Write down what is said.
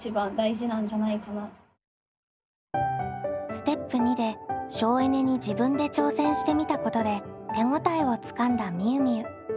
ステップ②で省エネに自分で挑戦してみたことで手応えをつかんだみゆみゆ。